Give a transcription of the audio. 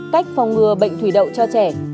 cách phòng ngừa bệnh thủy đậu cho trẻ